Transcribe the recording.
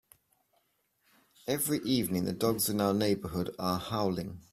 Every evening, the dogs in our neighbourhood are howling.